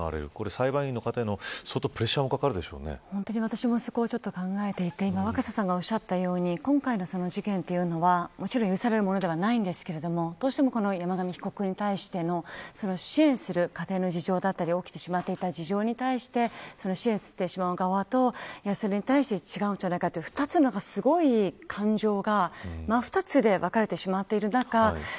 裁判員の方へのプレッシャーも私もそこを考えていて今、若狭さんがおっしゃっていたように今回の事件は、もちろん許されるものじゃないんですがどうしても山上被告に対しての支援する各県の事情だったり被告の事情に対して支援する側とそれに対して違うんじゃないかという２つのすごい感情が真っ二つで分かれてしまっている中